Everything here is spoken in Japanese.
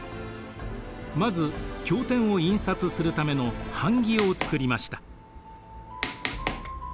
まず経典を印刷するための版木を作りました。